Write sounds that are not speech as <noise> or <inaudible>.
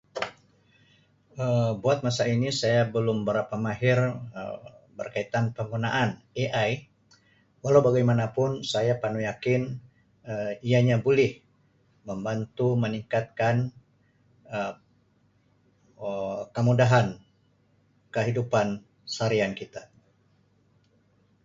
<noise> Um Buat masa ini saya belum berapa mahir Um berkaitan penggunaan AI walau bagaimana pun saya penuh yakin Um ia nya boleh membantu meningkatkan Um kemudahan kehidupan seharian kita.